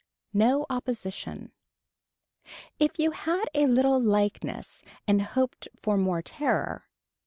No opposition. If you had a little likeness and hoped for more terror.